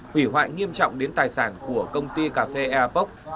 hủy hoại nghiêm trọng đến tài sản của công ty cà phê ea poc